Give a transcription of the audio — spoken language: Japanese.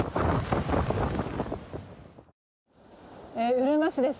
うるま市です。